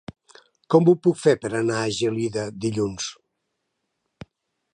Com ho puc fer per anar a Gelida dilluns?